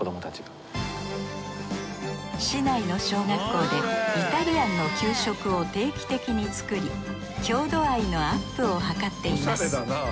市内の小学校でイタリアンの給食を定期的に作り郷土愛のアップを図っています。